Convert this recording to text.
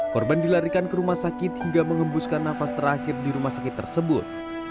korban dilarikan ke rumah sakit hingga mengembuskan nafas terakhir di rumah sakit tersebut